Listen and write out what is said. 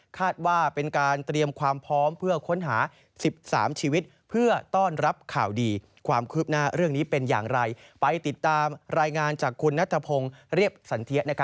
ถดมาจากพื้นที่ครับใช่แหละค่ะ